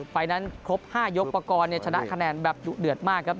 ไฟล์นั้นครบ๕ยกประกอบชนะคะแนนแบบดุเดือดมากครับ